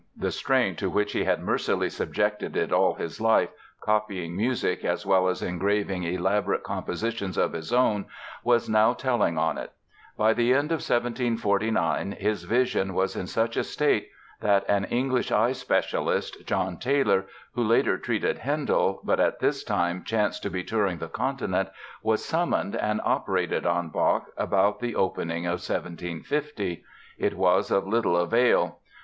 The strain to which he had mercilessly subjected it all his life, copying music as well as engraving elaborate compositions of his own, was now telling on it. By the end of 1749 his vision was in such a state that an English eye specialist, John Taylor, who later treated Handel but at this time chanced to be touring the continent, was summoned and operated on Bach about the beginning of 1750. It was of little avail.